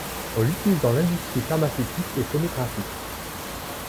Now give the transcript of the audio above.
On l'utilise dans l'industrie pharmaceutique et photographique.